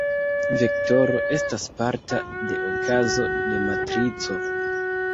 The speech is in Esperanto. Vektoro estas parta de okazo de matrico.